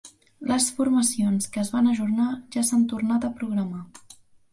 Les formacions que es van ajornar ja s'han tornat a programar.